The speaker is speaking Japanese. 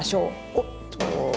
おっと。